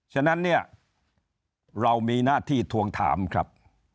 ฉะนั้นเนี่ยเรามีหน้าที่ทวงถามครับ